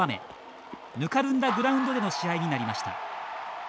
ぬかるんだグラウンドでの試合になりました。